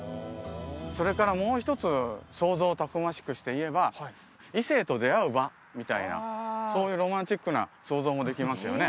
それからもう一つ想像をたくましくして言えば異性と出会う場みたいなそういうロマンチックな想像もできますよね